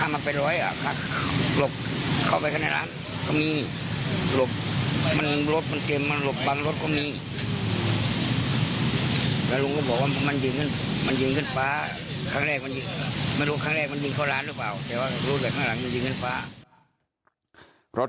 แต่ว่ามันยิงคืนพ้าค้างแรกมันยิงเข้าร้านหรือเปล่า